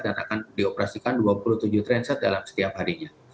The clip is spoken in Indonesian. dan akan dioperasikan dua puluh tujuh trainset dalam setiap harinya